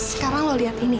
sekarang lo lihat ini